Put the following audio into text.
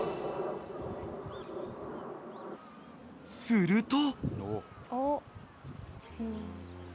［すると］